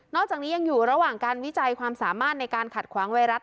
จากนี้ยังอยู่ระหว่างการวิจัยความสามารถในการขัดขวางไวรัส